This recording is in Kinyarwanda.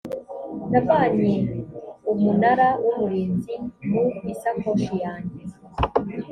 navanye umunara w umurinzi mu isakoshi yanjye